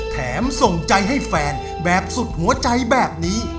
แถมส่งใจให้แฟนแบบสุดหัวใจแบบนี้